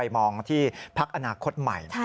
มองที่พักอนาคตใหม่